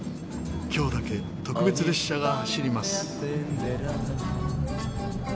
今日だけ特別列車が走ります。